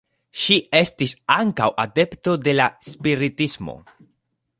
Ŝi estis ankaŭ adepto de la spiritismo.